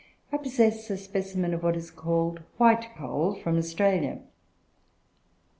I possess a specimen of what is called "white coal" from Australia.